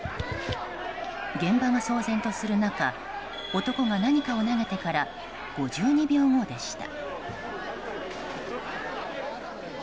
現場が騒然とする中男が何かを投げてから５２秒後でした。